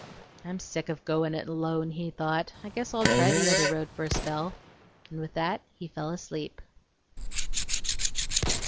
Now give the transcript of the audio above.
"I'm sick of goin' it alone," he thought; "I guess I'll try the other road for a spell;" and with that he fell asleep.